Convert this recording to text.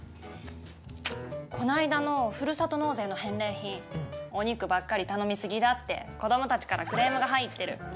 この間のふるさと納税の返礼品、お肉ばかり頼みすぎだって子どもたちからクレームが入ってる。